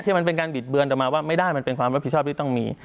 มันเป็นการบิดเบือนต่อมาว่าไม่ได้มันเป็นความรับผิดชอบที่ต้องมี